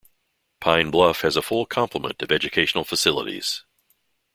Pine Bluff has a full complement of educational facilities.